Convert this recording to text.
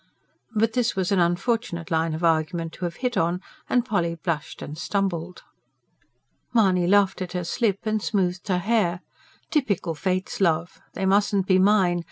But this was an unfortunate line of argument to have hit on, and Polly blushed and stumbled. Mahony laughed at her slip, and smoothed her hair. "Typical fates, love! They mustn't be mine.